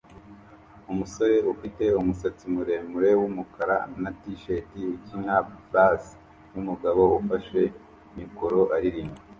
Umusore ufite umusatsi muremure wumukara na t-shirt ukina bass nkumugabo ufashe mikoro aririmba